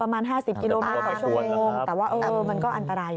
ประมาณ๕๐กิโลมารถแต่ว่ามันก็อันตรายอยู่